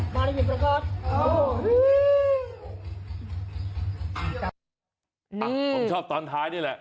ผมชอบตอนท้ายนี่แหละ